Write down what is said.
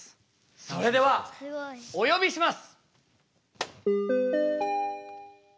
それではお呼びします。